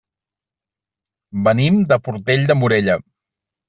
Venim de Portell de Morella.